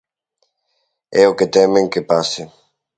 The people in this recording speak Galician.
É o que temen que pase.